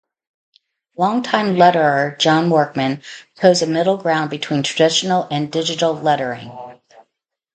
Long-time letterer John Workman toes a middle ground between traditional and digital lettering.